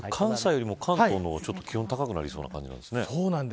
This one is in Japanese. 関西よりも関東の方が気温が高くなりそうな感じ